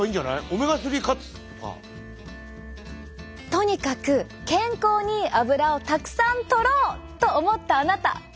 とにかく健康にいいアブラをたくさんとろうと思ったあなた！